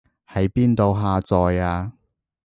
喺邊度下載啊